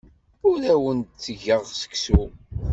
Ur awen-d-ttgeɣ seksu.